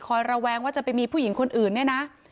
ระแวงว่าจะไปมีผู้หญิงคนอื่นเนี่ยนะ